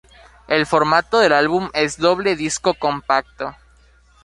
El formato del álbum es doble disco compacto.